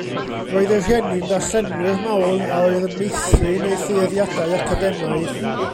Roedd ei rhieni'n ddarllenwyr mawr, a oedd yn meithrin ei thueddiadau academaidd.